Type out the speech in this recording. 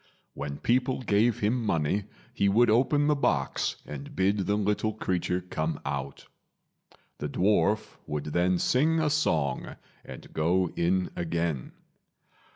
When people gave him money he would open the box and bid the little creature come out. The dwarf would then sing a song and go in again.